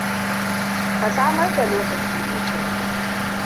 Ka samar da lokaci mai kyau.